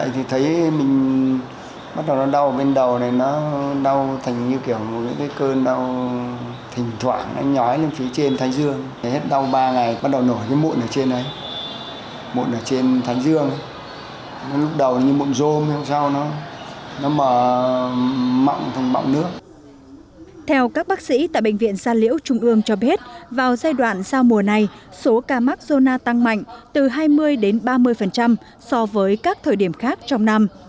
theo các bác sĩ tại bệnh viện gia liễu trung ương cho biết vào giai đoạn sau mùa này số ca mắc zona tăng mạnh từ hai mươi đến ba mươi so với các thời điểm khác trong năm